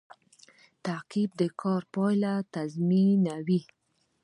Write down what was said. تعقیب د کار پایله تضمینوي